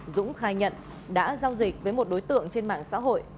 dũng khai nhận đã giao dịch với một đối tượng trên mạng xã hội